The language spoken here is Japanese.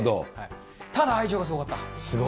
ただ、愛情がすごかった。